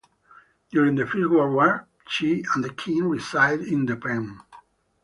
During the First World War, she and the King resided in De Panne.